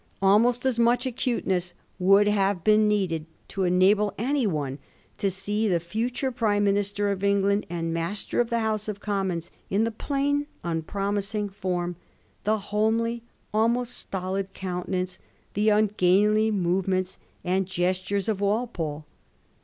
Almost as much acuteness would have been needed to enable anyone to see the future prime minister of England and master of the House of Commons in the plain unpromising form, the homely, almost stoHd countenance, the ungainly movements and gestures of Walpole.